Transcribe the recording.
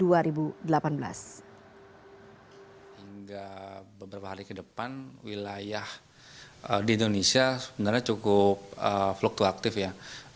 hingga beberapa hari ke depan wilayah di indonesia sebenarnya cukup fluktuatif ya